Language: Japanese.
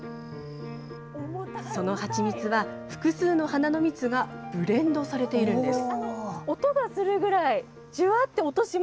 その蜂蜜は、複数の花の蜜がブレンドされているんです。